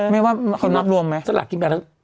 ไม่ว่าเขานับรวมมั้ย